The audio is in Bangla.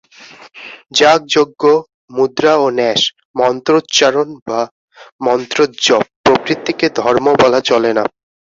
যাগ-যজ্ঞ, মুদ্রা ও ন্যাস, মন্ত্রোচ্চারণ বা মন্ত্রজপ প্রভৃতিকে ধর্ম বলা চলে না।